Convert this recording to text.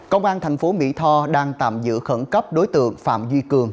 công an tp mỹ tho đang tạm giữ khẩn cấp đối tượng phạm duy cường